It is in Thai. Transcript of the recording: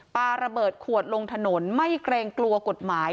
ปลาระเบิดขวดลงถนนไม่เกรงกลัวกฎหมาย